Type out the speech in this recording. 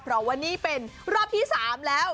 เพราะว่านี่เป็นรอบที่๓แล้ว